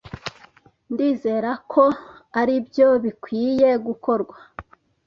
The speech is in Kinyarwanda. Ndizera ko aribyo bikwiye gukorwa